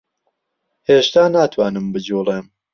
هێشتا ناتوانم بجووڵێم.